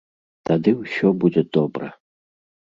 Тады ўсё будзе добра.